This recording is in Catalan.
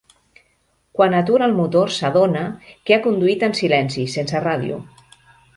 Quan atura el motor s'adona que ha conduït en silenci, sense ràdio.